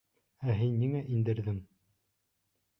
Ә һин ниңә индерҙең?